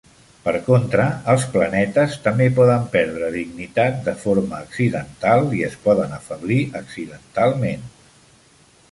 Per contra, els planetes també poden perdre dignitat de forma accidental i es poden afeblir accidentalment.